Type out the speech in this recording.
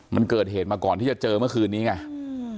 มันเกิดเหตุมาก่อนที่จะเจอเมื่อคืนนี้ไงอืม